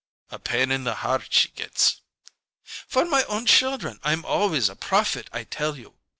"A pain in the heart she gets." "For my own children I'm always a prophet, I tell you!